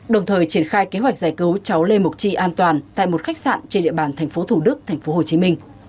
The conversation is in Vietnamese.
đồng thời triển khai kế hoạch giải cứu cháu lê mộc chi an toàn tại một khách sạn trên địa bàn tp thủ đức tp hcm